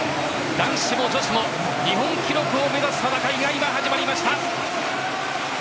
男子も女子も日本記録を目指す戦いが今、始まりました。